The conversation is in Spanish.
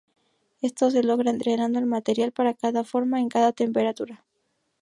Esto se logra entrenando el material para cada forma en cada temperatura.